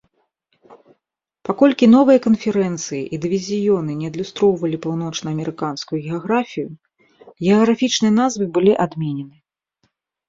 Паколькі новыя канферэнцыі і дывізіёны не адлюстроўвалі паўночнаамерыканскую геаграфію, геаграфічныя назвы былі адменены.